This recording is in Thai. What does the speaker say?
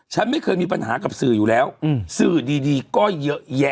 ฉันไม่เคยมีปัญหากับสื่ออยู่แล้วสื่อดีก็เยอะแยะ